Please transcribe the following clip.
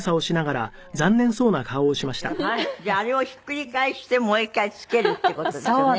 じゃああれをひっくり返してもう一回つけるっていう事ですよね。